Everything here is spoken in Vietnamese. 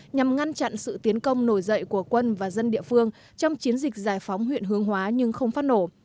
nhằm ngăn chặn sự tiến công nổi dậy của quân và dân địa phương trong chiến dịch giải phóng huyện hương hóa nhưng không phát nổ